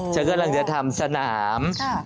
ฉันกำลังจะทำสนาม